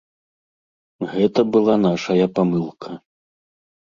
Гэта была нашая памылка.